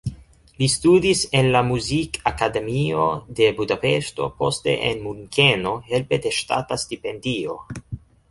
Li studis en la Muzikakademio de Budapeŝto, poste en Munkeno helpe de ŝtata stipendio.